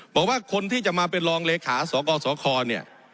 บอกว่าคนที่จะมาเป็นรองเลขาสกสคเนี่ย